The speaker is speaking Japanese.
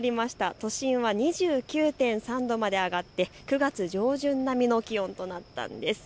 都心は２９．３度まで上がって９月上旬並みの気温となったんです。